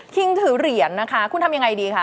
คิงถือเหรียญนะคะคุณทำยังไงดีคะ